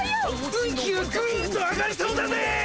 運気がぐんと上がりそうだぜ。